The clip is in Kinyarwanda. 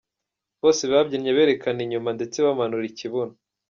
Bose babyinnye berekana inyuma ndetse bamanura ikibuno.